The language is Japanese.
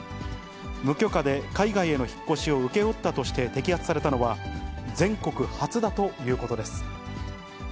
無許可で海外への引っ越しを請け負ったとして摘発されたのは、全国初だということです。